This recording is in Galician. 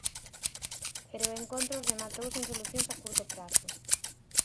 Pero o encontro rematou sen solucións a curto prazo.